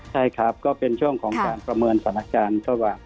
ใช่ครับก็เป็นช่วงของการประเมินสนักการณ์เท่ากัน